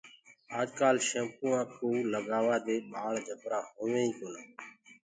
آج ڪآل شيمپوآ ڪآ استمالو دي ٻآݪ جبرآ هويِنٚ ئي ڪونآ۔